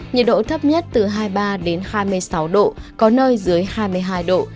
nhiệt độ thấp nhất từ hai mươi ba đến hai mươi sáu độ có nơi dưới hai mươi hai độ